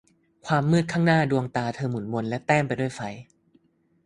ความมืดข้างหน้าดวงตาเธอหมุนวนและแต้มไปด้วยไฟ